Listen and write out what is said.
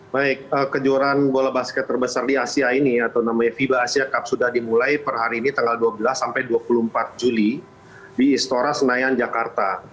baik kejuaraan bola basket terbesar di asia ini atau namanya fiba asia cup sudah dimulai per hari ini tanggal dua belas sampai dua puluh empat juli di istora senayan jakarta